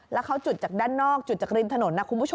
แล้วเขาจุดจากด้านนอกจุดจากริมถนนนะคุณผู้ชม